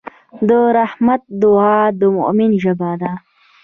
د رحمت دعا د مؤمن ژبه ده.